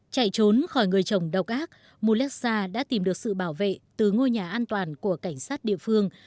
chạy trốn khỏi người chồng đầu ác mulesa đã tìm được sự bảo vệ từ ngôi nhà an toàn của cảnh sát địa phương